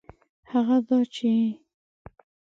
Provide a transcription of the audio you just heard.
هغه دا چي